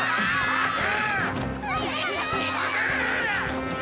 待て！